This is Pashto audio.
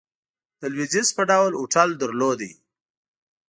د لوېدیځ په ډول هوټل درلود.